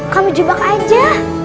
kamu jebak aja